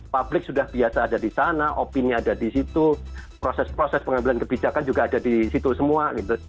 publik sudah biasa ada di sana opini ada di situ proses proses pengambilan kebijakan juga ada di situ semua gitu